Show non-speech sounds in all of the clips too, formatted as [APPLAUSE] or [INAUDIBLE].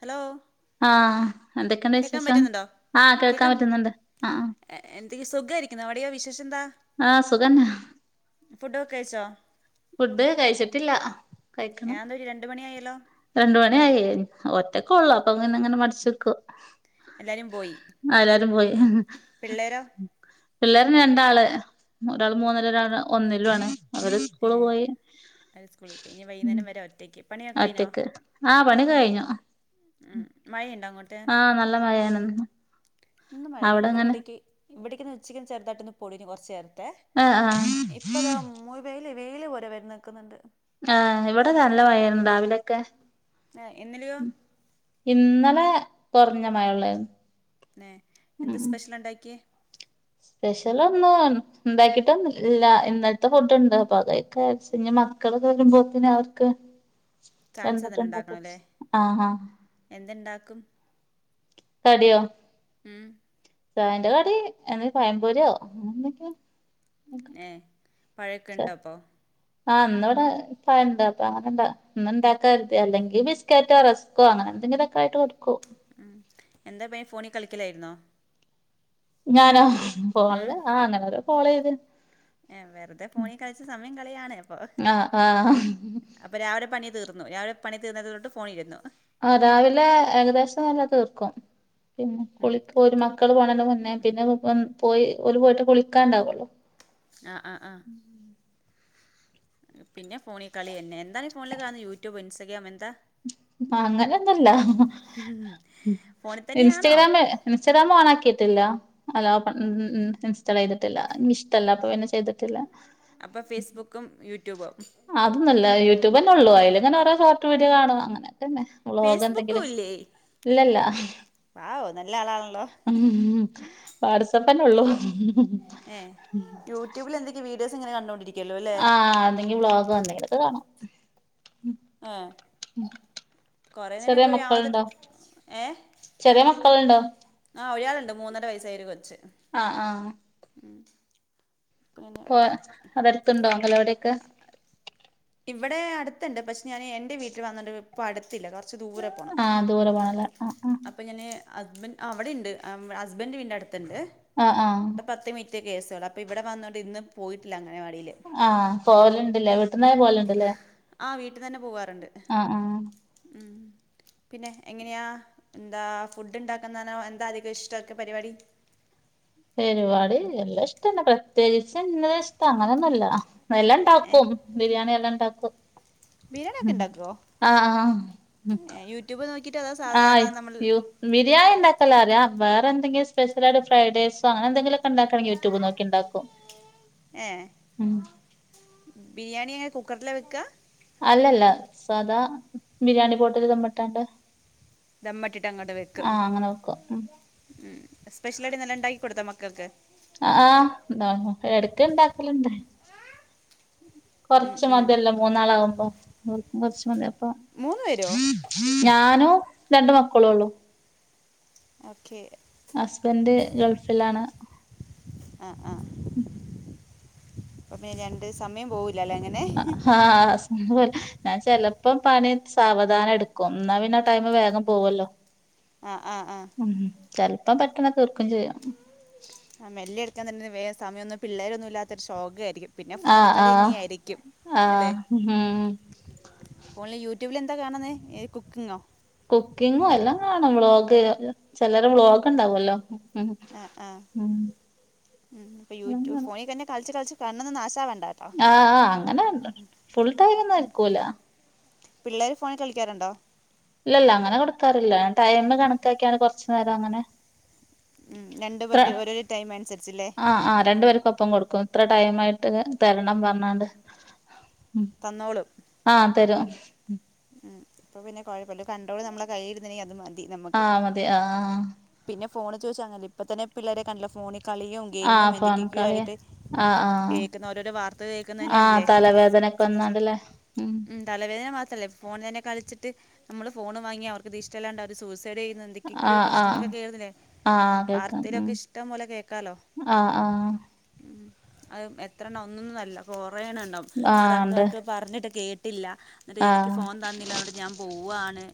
Hello ആ എന്തൊക്കെയണ്ട് കേക്കാൻ വിശേഷം പറ്റുന്നുണ്ടോ ആ കേൾക്കാൻ പറ്റുന്നുണ്ട് ആ സുഖായിരിക്കുന്ന അവിടെയോ വിശേഷന്താ ആ സുഖന്നെ ഫുഡ് ഒക്കെ കഴിച്ചോ ഫുഡ് കഴിച്ചിട്ടില്ല കഴിക്കണം ഞാൻ ഒരു രണ്ട് മണിയായല്ലോ രണ്ട് മണിയായേ ഒറ്റക്ക് ഒള്ളോ അപ്പൊ ഇങ്ങന ഇങ്ങനെ മടച്ച്ക്കും എല്ലാരും പോയി പിള്ളേരോ പിള്ളേരന്ന് രണ്ടാള് ഒരാൾ മൂന്നില് ഒരാൾ ഒന്നിലും ആണ് അവര് ഏ പോയി അവര് സ്കൂളിൽ പോയി ഇനി വൈകുന്നേരം വരെ ഒറ്റയ്ക്ക് പണിയൊക്കെ കഴിഞ്ഞോ ഒറ്റക്ക് ആ പണി കഴിഞ്ഞു ഞ്ഞു ഉം മഴയുണ്ടോ അങ്ങോട്ട് ആ നല്ല മഴയാണ് ഇന്ന് മഴയാ ഇന്ന് അവിടെങ്ങനെ ഇവിടേക്ക് ഇവിടേക്ക് ഇന്ന് ഉച്ചക്ക് ചെറുതായിട്ടിന്ന് പൊടിഞ്ഞു കുറച്ചേരുന്നു ആഹ് ആഹ് ഇപ്പ താ [UNINTELLIGIBLE] വെയില് പോലെ വന്നു നിൽക്കുന്നുണ്ട് ആ ഇവിടെ നല്ല മഴയേന്ന് രാവിലെക്കെ ഏ ഇന്നലെയോ ഇന്നലെ കൊറഞ്ഞ മഴേ ഉള്ളാര്ന്ന് എന്താ സ്പെഷ്യൽ ഉണ്ടാക്കിയെ സ്പെഷ്യൽ ഒന്നും ഇണ്ടാക്കിട്ടൊന്നും ഇല്ല ഇന്നലത്തെ ഫുഡ്ണ്ട് അപ്പ അത് കയിക്കാന്ന് വിചാരിച്ച് ഇനി മ മക്കള് വരുമ്പോത്തനെ അവർക്ക് ചാൻസ് തന്നെ വന്നിട്ടുണ്ടാക്കാന്ന് ഉണ്ടാക്കണം വച്ച് അല്ലേ ആഹ് ഹ എന്തുണ്ടാക്കും [UNINTELLIGIBLE] ഉം [UNINTELLIGIBLE] കടി എന്ന പയംപൊരിയോ ന്തൊക്കയോ പഴയൊക്കണ്ടോപ്പൊ ആ ഇന്ന് ഇവിടെ പഴണ്ട് അപ്പൊ അങ്ങനെ ഇന്ന് ഇണ്ടാക്കരുതി അല്ലെങ്കി ബിസ്ക്കറ്റോ റസ്ക്കോ അങ്ങനെ എന്തെങ്കിലൊക്കെയായിട്ട് കൊടുക്കും ഉം എന്താ [UNINTELLIGIBLE] ഫോണീ കളിക്കലേര്ന്നോ ഞാനോ ഫോണിൽ ആ അങ്ങനോര ഫോളോ ചെയ്ത് ഏ വെറുതെ ഫോണി കളിച്ച് സമയം കളിയാണ് അപ്പൊ ആഹ് ആഹ് അപ്പൊ രാവിലെ പണി തീർ തീർന്നോ രാവിലെ പണി തീർന്നത് കൊണ്ട് ഫോണിരുന്നു ആ രാവിലെ ഏകദേശം [UNINTELLIGIBLE] തീർക്കും പിന്നെ ഉം കുളിയൊക്കെ ഓര് മക്കള് പോണെയ്ൻ്റെ മുന്നേ പിന്നെ ഒൻ പോയി ഓല് പോയിട്ട് കുളിക്കാണ്ടാവൊള്ളൂ ആഹ് ആഹ് ആഹ് പിന്നെ ഫോണിൽ കളി തന്നെ എന്താണ് ഈ ഫോണില് കാണുന്നെ യൂട്യൂബ് ഇൻസ്റ്റാഗ്രാം എന്താ അങ്ങനൊന്നൂല്ല ഫോണിൽ തന്നെയാണോ ഇൻസ്റ്റഗ്രാമ് ഇൻസ്റ്റഗ്രാം ഓൺ ആക്കിയിട്ടില്ല അല്ല ഓപ്പൺ മ് മ് മ് ഇൻസ്റ്റാൾ ചെയ്തിട്ടില്ല നിക്കിഷ്ടല്ല അപ്പൊ പിന്നെ ചെയ്തിട്ടില്ല അപ്പൊ ഫേസ്ബുക്കും യൂട്യൂബും അതൊന്നല്ല യൂടൂബന്നെ ഉള്ളൂ അയിലിങ്ങന ഓരോ ഷോട്ട് വീഡിയോ കാണു അങ്ങനെ വ്ലോഗോ ഫേസ്ബുക്കും എന്തെങ്കിലും ഇല്ലേ ഇല്ലല്ല വാവോ നല്ല ആളാണല്ലോ ഉം വാട്സപ്പ് തന്നെ ഉള്ളൂ ഏ യൂട്യൂബിൽ എന്തക്ക വീഡിയോസ് ഇങ്ങനെ കണ്ടോണ്ടിരി ആഹ് എന്തെങ്കി വ്ലോഗോ എന്തെങ്കിലൊക്കെ കാണും മ്മ്ഹ് ചെറിയ മക്കള്ണ്ടോ ഏ ചെറിയ മക്കള്ണ്ടോ ആ ഒരാളുണ്ട് മൂന്നര വയസായ ഒരു കൊച്ച് ആഹ് ആഹ് [UNINTELLIGIBLE] അതടുത്ത്ണ്ടോ അങ്കലവാടിയെക്കെ ഇവിടെ അടുത്തുണ്ട് പക്ഷെ ഞാൻ എൻ്റെ വീട്ടിൽ വന്നിട്ട് ഇപ്പോൾ അടുത്തില്ല കുറച്ച് ദൂരെ പോകണം ആഹ് ദൂരെ പോണല്ലേ ആഹ് ആഹ് ഹസ്ബൻ അവിടെ ഉണ്ട് ഹസ്ബൻഡ് വീട്ടിന്റെ അടുത്തുണ്ട് ആഹ് ആഹ് അവിടെ പത്ത് മി മിനിറ്റിന്റെ കേസുകൾ അപ്പോൾ ഇവിടെ വന്നുകൊണ്ട് ഇന്ന് പോയിട്ടില്ല അങ്ങനെ ആഹ് പോവല്ണ്ട് ലേ വീട്ട്ന്നേ പോൽ ആ വീട്ടിന്നന്നെ പോവാറുണ്ട് ആഹ് ആഹ് ഉം പിന്നെ എങ്ങനെയാ എന്താ ഫുഡ് ഉണ്ടാക്കുന്നോ എന്താ അധികം ഇഷ്ടമൊക്കെ പരിപാടി [UNINTELLIGIBLE] പരിപാടി എല്ലാം ഇഷ്ടന്ന പ്രത്യേകിച്ച് ഇന്നത് ഇഷ്ടം അങ്ങനെയൊന്നുമല്ല എല്ലാം ഏ ഇണ്ടാക്കും ബിരിയാണി എല്ലാം ഇണ്ടാക്കും ബിരിയാണി ഒക്കെ ഇണ്ടാക്കുവോ ആഹ് ആഹ് ഏ യൂട്യൂബ് നോക്കി ആഹ് [UNINTELLIGIBLE] ബിരിയാണി ഉണ്ടാക്കാല്ല അറിയാ വേറെന്ത എന്തെങ്കി സ്പെഷ്യലായിട്ട് ഫ്രൈഡൈ സോ അങ്ങനെന്തെങ്കിലു ഇണ്ടാക്കണമെങ്കിൽ യൂറ്റൂബ് നോക്കി ഉണ്ടാക്കും ഏ ഉം കുക്കർലാ വെക്കാ അല്ലല്ല സാദാ ബിരിയാണി പോട്ടിത് ദം ഇട്ടാണ്ട് ദമ്മട്ടിട്ട് അങ്ങോട്ട് വെക്കും ഉം ഉം സ്പെഷ്യലായിട്ട് ഇന്നലെ ഇണ്ടാക്കി കൊടുത്തപ്പം കൊക്കെ ആഹ് എന്താ എടക്ക് ഇണ്ടാക്കലുണ്ട് ഉം കൊറച്ച് ഉം മതിയല്ല മൂന്നാളവുമ്പോ അവർക്കും കൊറച്ച് മതി അപ്പോ മൂന്ന് പേരോ ഞാനും രണ്ട് മക്കളുള്ളു ഓക്കെ ഹസ്ബൻഡ് ഗൾഫിലാണ് ആ അപ്പേ രണ്ട് സമേയം പോവു ഹാ ഞാൻ ചെലപ്പം പണി സാവധാനം എടുക്കും എന്നാ പിന്നെ ടൈമ് വേഗം പോവല്ലോ ആഹ് ആഹ് ആഹ് ഉം ചെലപ്പം പെട്ടെന്ന് തീർക്കും ചെയ്യാം ആ മെല്ലെ എടുക്കാൻ തന്നെ വേസയമൊന്നും പിള്ളേരൊന്നും ഇല്ലാത്തൊരുഷോകേരി ട്ടിക്കും പിന്നെ ആഹ് ഫോണിക്കളി ആഹ് ഇങ്ങേയിരിക്കും അല്ലെ ആഹ് ഉം ഓൺലൈൻ യൂ ട്യൂബിൽ എന്താ കാണുന്നേ കുക്കിങ്ങോ കുക്കിങ്ങും എല്ലാം കാണും വ്ളോക്കേര് ചെലര വ്ളോഗക്കുണ്ടാവുവല്ലോ ആ ആ ഉം ഇപ്പൊ എല്ലാം യൂട്യൂബ് ഫോണിതന്നെ കളിച്ച് കളിച്ച് കണ്ണൊന്നും നാശാവേണ് ആ ആ അങ്ങനെ ഫുൾ ടൈമൊന്നും ആരിക്കൂല പിള്ളേര് ഫോണില് കളിക്കാറുണ്ടോ ഇല്ലല്ല അങ്ങനെ കൊടുക്കാറില്ല ഞാൻ ടൈം കണക്കാക്കിയാണ് കൊറച്ച്നേരം അങ്ങനെ ഉം രണ്ടു ഇത്ര പേർക്ക് ഓരോരു ടൈമനുസരിച്ച് ല്ലേ ആഹ് ആഹ് രണ്ടു പേർക്കൊപ്പം കൊടുക്കും ഇത്ര ടൈം ആയിട്ട് തരണം പറഞ്ഞാണ്ട് ഉം തന്നോളും ആ തരും ഉം അപ്പ പിന്നെ കൊഴപ്പില്ല കണ്ട്രോള് നമ്മള കൈലീരുന്നിനി അതുമതി ആ മതെ ആ ആ പിന്നെ ഫോണ് ചോദിച്ചാ അങ്ങലിപ്പ തന്നെ പിള്ളേരെ കൺല് ഫോണിൽ കളിയും ഗെയിമും ആഹ് ഫോൺ എന്തക്കെക്കെയോ കളിയാ ആയിട്ട് ആഹ് ആഹ് കേൾക്കുന്ന ഓരോരോ വാർത്തകൾ കേൾക്കുന്നത് ആഹ് തന്നെയാണില്ലേ തലവേദനക്ക വന്നാണ്ടില്ലേ ഉം തലവേദന മാത്രല്ലേ ഫോണിനെ കളിച്ചിട്ട് നമ്മള് ഫോൺ വാങ്ങി അവർക്ക് ഇത് ഇഷ്ടല്ലാണ്ടാവത് സൂസ് ത്തെടെയ്യുന്നു എന്തൊക്കെക്കെയോ ആഹ് ആഹ് പ്രശ്നങ്ങളൊക്കെ കേതുനില്ലേ ആഹ് ആ കേൾക്കാം ഉം ആഹ് ആഹ് ഉം അത് എത്രണ്ണം ഒന്നൊന്നും അല്ല കൊറെ എണ്ണം ഇണ്ടാവും ആഹ് ഉണ്ട് മാതാകാക്കൾ പറഞ്ഞിട്ട് കേട്ടില്ല എന്നിട്ട് എനിക്ക് ആഹ് ഫോൺ തന്നില്ല അതോണ്ട് ഞാൻ പോവ്വാണ്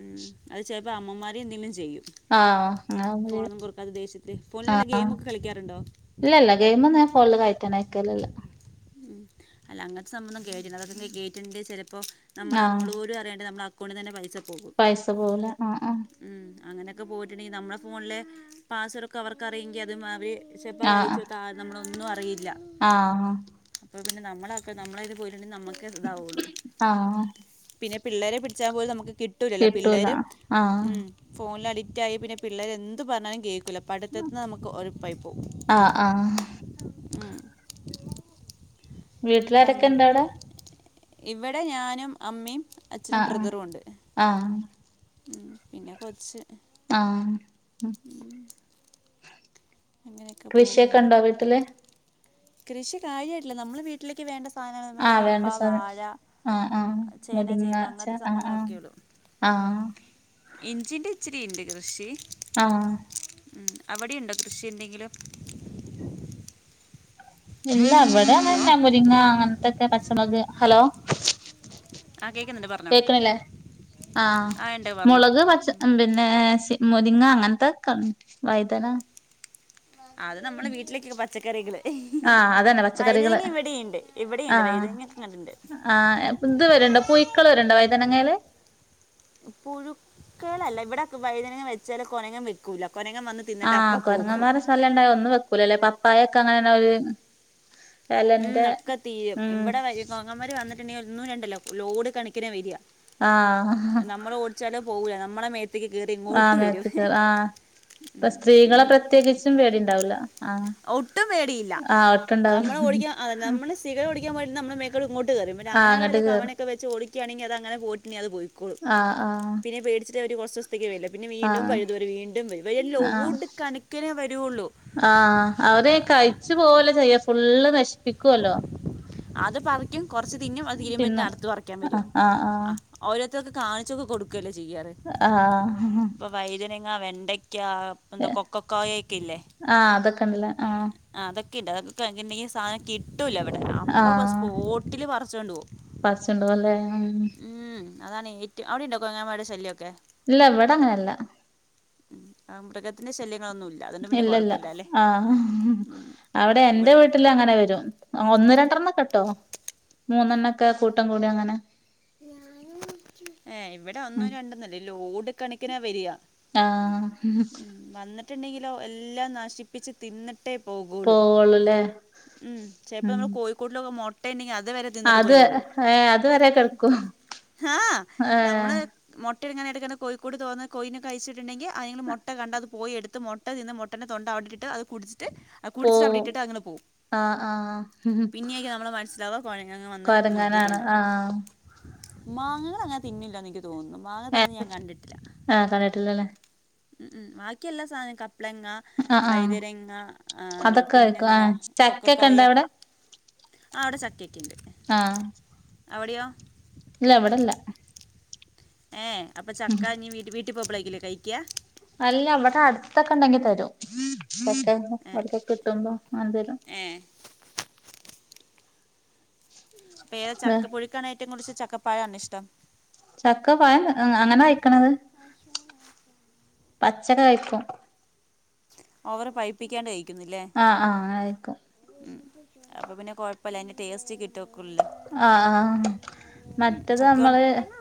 ഉം അത് ചെല്പ്പോൾ അമ്മമാര് എന്തെങ്കിലും ചെയ്യും ആഹ് അങ്ങന നമ്മള് ചെയ്യും ഫോണൊന്നും കൊടുക്കാതെ ദേഷ്യത്തിൽ ഫോണിൽ വല്ല ആഹ് ആഹ് ഗെയിമൊക്കെ കളിക്കാറുണ്ടോ ഇല്ല ഇല്ല ഗെയിമൊന്നു ങേ ഫോൺല് കഴിക്കനേക്കൽല്ല ഉം. അല്ല അങ്ങനത്തെ സംബന്ധം കേറ്റിണ്ട് അതൊക്കെ ഗേറ്റുണ്ട് ചിലപ്പോൾ നമ്മൾ ആഹ് നമ്മള് പോലും അറിയാണ്ട് നമ്മളാ അക്കൗണ്ടിൽത്തന്നെ പൈസ പോകും പൈസ പോവുന്ന മാ ആ ഉം. അങ്ങനെയൊക്കെ പോയിട്ടുണ്ടെങ്കിൽ നമ്മള ഫോണില് പാസ്സ്‌വേർഡൊക്കെ അവർക്കറിയെങ്കി അത് മാ വീ ചെപ്പത് ആഹ് ആഹ് അഴിച്ചോടത്താ നമ്മളൊന്നും അറിയില്ല ആഹ് അപ്പോൾ പിന്നെ നമ്മളക്കെ നമ്മളെത് പോലുണ്ടേ നമുക്കേ ഇതാവുള്ളൂ ആഹ് പിന്നെ പിള്ളേരെ പിടിച്ചാൽ പോലും നമുക്ക് കിട്ടൂല്ലല്ല കിട്ടൂല പിള്ളേര് ആഹ് ഉം ഫോണില് അഡി റ്റായി പിന്നെ പിള്ളേര് എന്ത് പറഞ്ഞാലും കേ ക്കില്ല പഠിത്തതിന് നമുക്ക് ഒഴുപ്പായി പോവും ആഹ് ആഹ് ഉം അപ്പം വീട്ടിലാരൊക്ക അങ്ങനെ ഇണ്ടവിടാ ഇവിടെ ഞാനും അമ്മയും അച്ഛനും ആഹ് ബ്രദറും ഉണ്ട് ആഹ് ആഹ് ഉം പിന്നെ കൊച്ച് ആ [INAUDIBLE] അങ്ങനെയൊക്കെ കൃഷിയൊക്കെ പോകുന്നു ഉണ്ടോ വീട്ടില്? കൃഷി കാര്യവായിട്ടില്ല. നമ്മള് വീട്ടിലേക്ക് വേണ്ട സാ സാധനങ്ങൾ മറ്റേ ആഹ് കപ്പ, വേണ്ട സാധനം വാഴ, ആഹ് ആഹ് ചേന, ചേമ്പ് അങ്ങനത്തെ സംഭവങ്ങളൊക്കെ ഇടും. ആ ഇഞ്ചീന്റെ ഇച്ചിരിയുണ്ട് കൃഷി. ആഹ ഉം അവിടെയുണ്ടോ കൃഷി എന്തെങ്കിലും? ഇല്ല, ഹലോ എവിടെന്നങ്ങനെ മുരിങ്ങ അങ്ങനത്തൊക്കെ പച്ചമുളക് ഹലോ ആ കേൾക്കുന്നുണ്ട് പറഞ്ഞോ കേക്കണില്ലേ? ആ ഉണ്ട് പറഞ്ഞോ ആമുളക് പച്ച പിന്നെ മുരിങ്ങ അങ്ങനത്തെ ക വഴുതന അത് നമ്മുടെ വീട്ടിലേക്ക് പച്ചക്കറികൾ ആ അതന്നെ പച്ചക്കറികൾ വൈതനങ്ങ ഇവിടെയുണ്ട് ഇവിടെയുണ്ട് വൈതനങ്ങ ഒക്കെ കണ്ടിട്ടുണ്ട് ആആ ഇത് വരുണ്ടോ, പുഴുക്കൾ വരുണ്ടോ വഴുതനങ്ങയിൽ? പുഴുക്കളല്ല, ഇവിടെ വഴുതനങ്ങ വെച്ചാല് [UNINTELLIGIBLE] ആ കൊരങ്ങന്മാരെ സലം ഉണ്ടായ ഒന്നും വെക്കൂല്ലല്ലേ [INAUDIBLE] അങ്ങനെതന്നെയൊരു ഉം ഒക്കെ തീരും ഇവിടെ വരും. കോങ്ങൻമാരു വന്നിട്ട് ഒന്ന് രണ്ടല്ല ലോഡ് കണക്കിനാ വരി. ആഹ് നമ്മള് ഓടിച്ചാടി പോകുവാണ്. നമ്മളെ മേത്ത് [UNINTELLIGIBLE] അതിൽകയറി ഇങ്ങോട്ട് ആഹ് വരുും മേത്ത്ക്ക് ആഹ് ഇപ്പൊ സ്ത്രീകളെ പ്രത്യേകിച്ചും പേടിയുണ്ടാവില്ല, ആ ഒട്ടും പേടിയില്ല നമ്മൾ ഓടിക്കാൻ അതെ നമ്മള് സ്ഥിരം ഓടിക്കാൻ പോയിട്ട് നമ്മുടെ മേക്കിട്ട് ഇങ്ങോട്ടു കേറും. പിന്നെ ആഹ് ആണുങ്ങൾ അങ്ങട്ട് വല്ല കേറും കവണയൊക്കെ വെച്ച് [UNINTELLIGIBLE] അങ്ങനെ പോട്ടി അ പോയി ആഹ് ആഹ് പിന്നെ പേടിച്ചിട്ട് അവര് കുറച്ച് ദിവസത്തേക്ക് വരില്ല. പിന്നെ വീണ്ടും ആഹ് വരുന്നവര് വീണ്ടും വരും. വരുമൊരു ലോഡ് കണക്കിനെ വരുള്ളൂ. ആഅവരെ കഴിച്ചു പോലെ ചെയ്യത്തുള്ളു ഫുള്ള്. [UNINTELLIGIBLE] പിക്കുവല്ലോ അത് പറിക്കും കൊറച്ച് തിന്നും അത് തീരുമ്പഴ്ത്തേനു തിന്നും അടുത്തത് പറിയ്ക്കാൻ പരും ആഹ് ആഹ് ആ ഓരോ ഇതൊക്കെ കാഴ്ചക്ക് കൊടുക്കയല്ലേ ചെയ്യാർ ആഹ് ഇപ്പൊ വഴുതനങ്ങ വെണ്ടക്ക എന്താ ആഹ് കൊക്കക്കായയൊക്കെയില്ലേ ആഹ് അതൊക്കെ ഉണ്ടല്ലേ ആഹ് അതൊക്കെ [UNINTELLIGIBLE] കിട്ടൂല്ല അവിടെ അപ്പൊ അ ആഹ് സ്പോട്ടില് പറിച്ചുകൊണ്ടുപോകും പറിച്ചുണ്ടോവല്ലേ ഉം ഉം അതാണ് ഏ അവിടെ ഉണ്ടോ കുരങ്ങന്മാരെ ശല്യൊക്കെ ഇല്ല, ഇവിടങ്ങനെയല്ല ആ മൃഗത്തിൻ്റെ ശല്യമൊക്കെ ഇല്ലല്ല അ അവിടെയെന്റെ ഇവിടെ വീട്ടിൽ അങ്ങനെ വരും. ഒന്ന് രണ്ടെണ്ണക്കെട്ടോ മൂന്നെണ്ണമൊ ക്കെ കൂട്ടം കൂടി അങ്ങനെ എ ഇവിടെ ഉം ഒന്നും രണ്ടൊന്നല്ല ലോഡ് കണക്കിനാ വരിക ആഹ് ഉം, [INAUDIBLE] എല്ലാം നശിപ്പിച്ച് തിന്നിട്ട് [UNINTELLIGIBLE] പോവുള്ളൂല്ലേ ഉം ചിലപ്പോ ഉം നമ്മൾ കോഴിക്കൂട്ടിലൊക്കമുട്ട ഉണ്ടെങ്കിൽ അത് അത് എ അത് വരെ ക [UNINTELLIGIBLE] ആഹ്.. ഞാൻ ചേച്ചിയുടെ സമൃദ്ധമായ ഒരു ബാക്ക് അപ്പ് കമ്പനികൾനമ്മുടെ മൊട്ട മുട്ട ഇങ്ങനെ എടുക്കുന്ന കോഴിക്കൂട് തുറന്ന് കോഴീനെ കഴിച്ചിട്ടുണ്ടെങ്കിൽ അതുങ്ങൾ മുട്ട കണ്ട് അത് പോയെടുത്ത് മുട്ട നിന്ന് മുട്ടയുടെ തൊണ്ട അവിടിട്ടിട്ട് അത് കുടിച്ചിട്ട് കുടിച്ചിച്ച് പോവും അവിടിട്ടിട്ട് അങ്ങനെ പോവും ആഹ് ആഹ് ഉം മനസ്സിലാവുക കുഴങ്ങ് വന്ന് കൊരങ്ങനാണ് മുതിരുണ്ടാവും ആ മാങ്ങകൾ അങ്ങനെ തിന്നില്ലന്ന് എനിക്ക് തോന്നുന്നു. മാങ്ങ തിന്നുന്നെ ഏഹ് ഞാൻ കണ്ടിട്ടില്ല. ആഹ് കണ്ടിട്ടില്ലല്ലേ ഉം ഉം ബാക്കിയെല്ലാ സാധനവും കക്കും ആഹ് [INAUDIBLE] ആഹ് വഴുതനങ്ങ അതൊക്കെ കഴിക്കും ആഹ് ചക്കക്കെ പിന്നെനകൊക്കക്കോയ ഇണ്ടോ അവിടെ ആ അവിടെ ചക്കെക്കണ്ട് ആഹ് ഇല്ല ഇവിടെല്ല ഏ അപ്പൊ ചക്ക നീ വീട് വീട്ടില് പോവുമ്പളേക്കല്ലെ കഴിക്കാ അല്ല ഇവിടെ അടുത്തൊക്കെ ഇണ്ടെങ്കി തരും [UNINTELLIGIBLE] ഏ ഇവർക്കെ കിട്ടുമ്പോ ആ എന്തേലും ഏ പ്പേ ഏഹ് ചക്കപ്പുഴിക്കാണൊ ഏറ്റവും കൂടുതല് ഇഷ് ചക്കപ്പയാണിഷ്ടം ചക്ക പഴം ഏ അങ്ങനെ കഴിക്കണത് പച്ചക്കെ കഴിക്കും ഓവർ പഴിപ്പിക്കേണ്ടയ് ആ ആഹ് ആയേക്കും അപ്പൊ പിന്നെ കൊഴപ്പല്ല അതിന്റെ ടേസ്റ്റ് കിട്ടും ആ ആഹ് മറ്റത് ചക്ക നമ്മള് കൊണ്ട്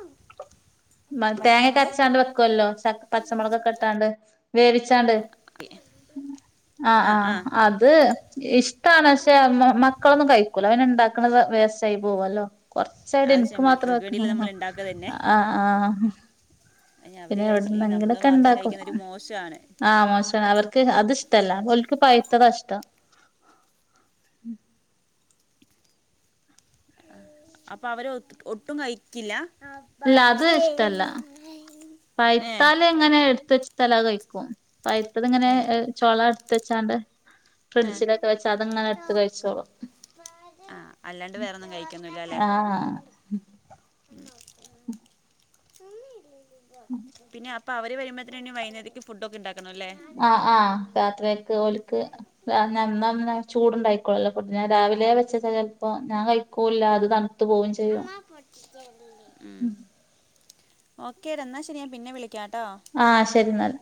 മ മറ്റേ നമ്മൾ തേങ്ങക്കരച്ചാണ്ട് വെക്കൊല്ലോ ചക്ക് പച്ചമുളകൊക്കെ ഇട്ടാണ്ട് വേവിച്ചാണ്ട് ആ ആ അത് ഇഷ് ടാണ് പക്ഷേ മ മക്കളൊന്നും കഴിക്കൂലാ അതന്നെ ഇണ്ടാക്ക്ണത് വേസ്റ്റായി പോവല്ലോ കൊർച്ചായിട്ട് അത് ഇൻക്ക് ശരി മാത്രം മക്കൾക്ക് വേണ്ടിയില്ല വെക്ക്ണത് നമ്മൾ ഉണ്ടാക്കുക ആ ആ അയ്ന് അവര് കഴിച്ചില്ലെ നമ്മള് മാത്രം കഴിക്കിന്നേ ഒരു മോശാ ആ മോശാണ് അവർക്ക് അത് ഇഷ്ടല്ല ഓല്ക്ക് പൈ ത്തതാ ഇഷ്ടം ആ അപ്പൊ അവര് ഒ ഒട്ടും കഴിക്കില്ല ഇല്ല അത് ഇഷ്ടല്ല ഏ പഴ്ത്താലങ്ങനെ എടുത്ത് വെച്ചോട്താല് അഹ് കഴി ക്കും പഴ്ത്തത്ങ്ങനെ ഏ ചൊള എട്ത്തച്ചാണ്ട് ഏ ഫ്രിഡ്ജിലൊക്കെ വെച്ചാ അതങ്ങനെ എട്ത്ത് കഴിച്ചോളും ആ അല്ലാണ്ട് വേറൊന്നും കഴിക്കുന്നില്ല ആ അല്ലേ ഉം ഇപ്പ അവര് വരുമ്പേത്തിനന്നെ വൈന്നേര്ത്ത്ക്ക് ഫുഡോക്കെ ഇണ്ടാ ആ ആ രാത്രിയേക്ക് ഓല് ക്ക് [UNINTELLIGIBLE] ചൂടുണ്ടായിക്കോളല്ലോ ഫുഡ്ന് ഞാന് രാവിലെ വെച്ചെച്ചാൽ ചെലപ്പോ ഞാൻ കഴി ക്കൂല്ലാ അത്‌ തണ്ത്തു പോവും ചെയ്യും ഓക്കെ ടാ എന്നാ ശരി ഞാൻ പിന്നെ വിളി ആ ശരിന്നാൽ